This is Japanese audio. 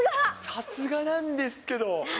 さすがなんですけど。